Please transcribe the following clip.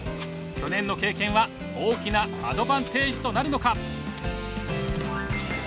去年の経験は大きなアドバンテージとなるのか？